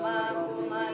ya ampun ya mas